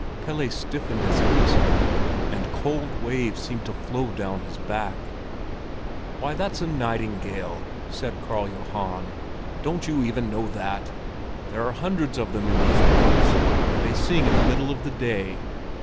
Pelle stiffened as he listened, and cold waves seemed to flow down his back. "Why, that's a nightingale," said Karl Johan, "Don't you even know that? There are hundreds of them in these woods, and they sing in the middle of the day."